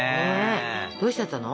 どうしちゃったの？